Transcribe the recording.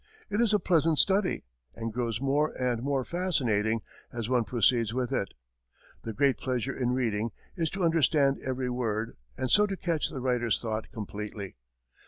It is a pleasant study, and grows more and more fascinating as one proceeds with it. The great pleasure in reading is to understand every word, and so to catch the writer's thought completely.